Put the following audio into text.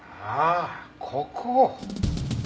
ああここ！